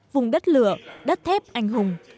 vùng đất lửa đất thép anh hùng